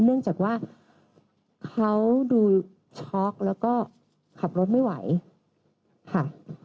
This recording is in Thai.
เนื่องจากว่าเขาดูช็อกแล้วก็ขับรถไม่ไหวค่ะ